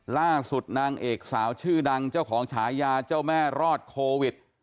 ล่าสุดนางเอกสาวชื่อดังเจ้าของฉายาเจ้าแม่รอดโควิด